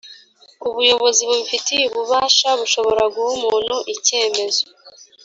ubuyobozi bubifitiye ububasha bushobora guha umuntu icyemezo